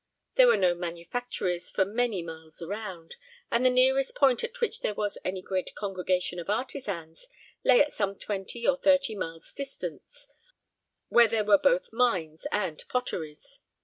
There were no manufactories for many miles around; and the nearest point at which there was any great congregation of artisans lay at some twenty or thirty miles' distance, where there were both mines and potteries.